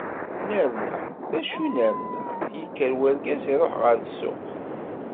Nerna, d acu i nerna, yekker urgaz iruḥ ɣer ssuq.